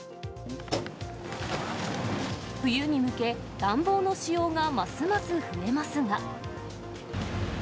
冬に向け、暖房の使用がますます増えますが。